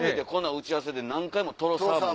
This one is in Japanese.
打ち合わせで何回も「とろサーモン」。